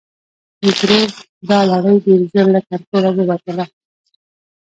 د ترور دا لړۍ ډېر ژر له کنټروله ووتله.